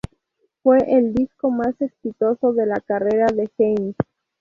Fue el disco más exitoso de la carrera de Heinz.